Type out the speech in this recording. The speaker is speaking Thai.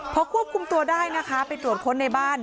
พอควบคุมตัวได้นะคะไปตรวจค้นในบ้าน